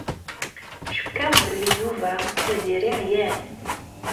Cukkeɣ belli Yuba akked Tiziri ɛyan.